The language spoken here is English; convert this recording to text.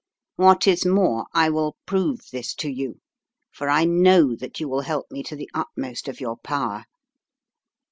What is more, I will prove this to you, for I know that you will help me to the utmost of your power.